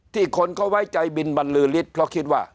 คนก็ไว้ใจบินบรรลือฤทธิ์เพราะคิดว่า